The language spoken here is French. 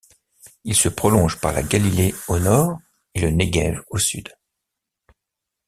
Ils se prolongent par la Galilée au nord et le Néguev au sud.